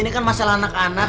ini kan masalah anak anak